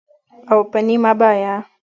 او په نیمه بیه